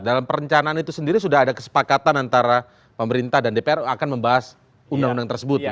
dalam perencanaan itu sendiri sudah ada kesepakatan antara pemerintah dan dpr akan membahas undang undang tersebut